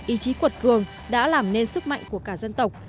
ý chí cuột cường đã làm nên sức mạnh của cả dân tộc